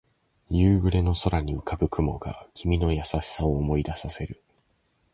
夕暮れの空に浮かぶ雲が君の優しさを思い出させる